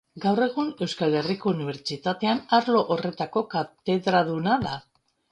Gaur egun Euskal Herriko Unibertsitatean arlo horretako katedraduna da.